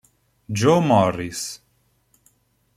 Joe Morris